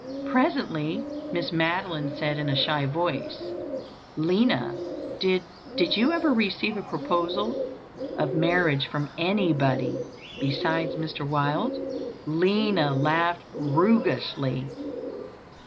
Presently, Miss Madeline said in a shy voice, "Lina, did—did you ever receive a proposal of marriage from anybody besides Mr. Wylde?" Lina laughed roguishly.